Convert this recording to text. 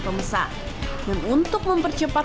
pembesar dan untuk mempercepat